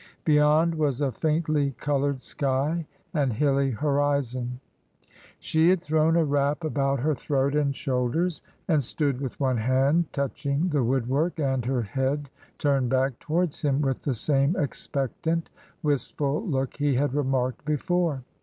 Beyond was a faintly coloured sky and hilly horizon. 52 TRANSITION. She had thrown a wrap about her throat and shoul ders, and stood with one hand touching the wood work and her head turned back towards him with the same expectant, wistful look he had remarked before.